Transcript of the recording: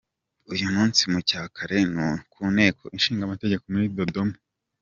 Uyu munsi mu cya kare ku Nteko Ishingamategeko muri Dodoma.